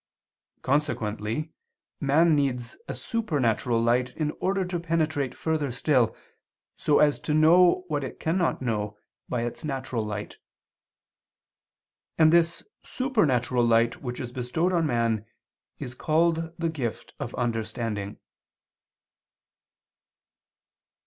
Consequently man needs a supernatural light in order to penetrate further still so as to know what it cannot know by its natural light: and this supernatural light which is bestowed on man is called the gift of understanding.